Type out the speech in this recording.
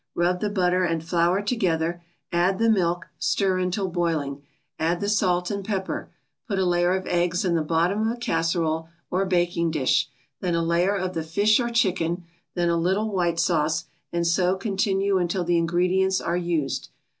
Rub the butter and flour together, add the milk, stir until boiling, add the salt and pepper. Put a layer of eggs in the bottom of a casserole, or baking dish, then a layer of the fish or chicken, then a little white sauce, and so continue until the ingredients are used.